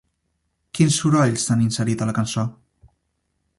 Quins sorolls s'han inserit a la cançó?